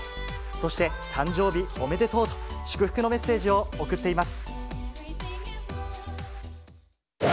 そして誕生日おめでとうと、祝福のメッセージを贈っています。